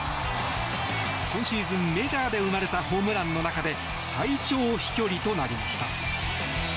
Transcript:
今シーズン、メジャーで生まれたホームランの中で最長飛距離となりました。